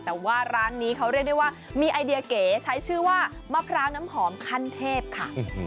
แต่ว่าร้านนี้เขาเรียกได้ว่ามีไอเดียเก๋ใช้ชื่อว่ามะพร้าวน้ำหอมขั้นเทพค่ะ